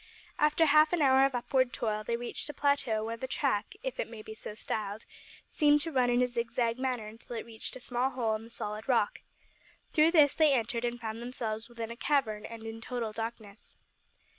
After half an hour of upward toil they reached a plateau where the track if it may be so styled seemed to run in a zig zag manner until it reached a small hole in the solid rock. Through this they entered and found themselves within a cavern and in total darkness.